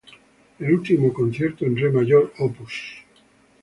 El último concierto, en re mayor, Op.